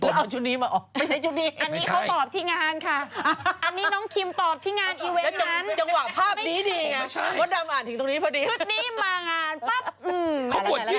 แล้วเอาชุดนี้มาออกไม่ใช่ชุดนี้